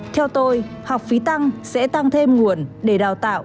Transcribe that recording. theo tôi học phí tăng sẽ tăng thêm nguồn để đào tạo